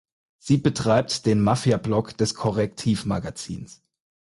Sie betreibt den "Mafiablog" des Correctiv Magazins.